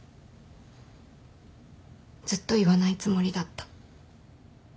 ずっと言わないつもりだった。